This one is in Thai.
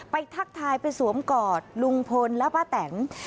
ทักทายไปสวมกอดลุงพลและป้าแตน